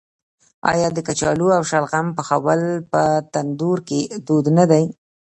آیا د کچالو او شلغم پخول په تندور کې دود نه دی؟